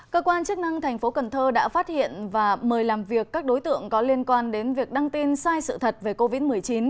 cơ quan chức năng thành phố cần thơ đã phát hiện và mời làm việc các đối tượng có liên quan đến việc đăng tin sai sự thật về covid một mươi chín